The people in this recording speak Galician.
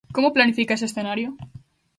Como planifica ese escenario?